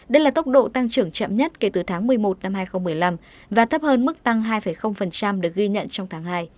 đây là tốc độ tăng trưởng chậm nhất kể từ tháng một mươi một năm hai nghìn một mươi năm và thấp hơn mức tăng hai được ghi nhận trong tháng hai